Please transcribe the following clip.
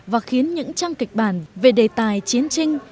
và khiến những trang kịch bản về đề tài chiến tranh